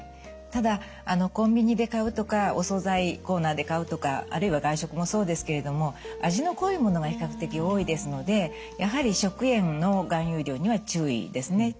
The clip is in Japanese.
ただコンビニで買うとかお総菜コーナーで買うとかあるいは外食もそうですけれども味の濃いものが比較的多いですのでやはり食塩の含有量には注意ですね。